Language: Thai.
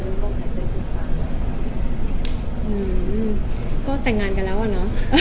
อือฮืมก็สัญงานกันแล้วอะน้อ